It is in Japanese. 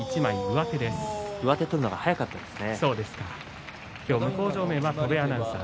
上手を取るのが早かったです。